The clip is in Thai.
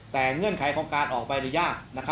แต่เงื่อนไขของการออกไปหรือยาก